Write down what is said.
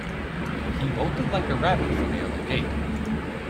He bolted like a rabbit for the other gate.